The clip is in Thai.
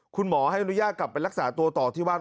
คุณหมอให้อนุญาตกลับไปรักษาตัวต่อที่บ้าน